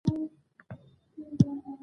ويې ويل: ښه نو، د څه له پاره راغلي ياست؟